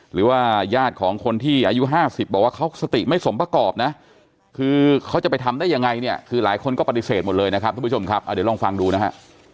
หรือว่าญาติของคนที่อายุ๕๐บอกว่าเขาสติไม่สมประกอบนะคือเขาจะไปทำได้ยังไงเนี่ยคือหลายคนก็ปฏิเสธหมดเลยนะครับทุกผู้ชมครับเดี๋ยวลองฟังดูนะฮะ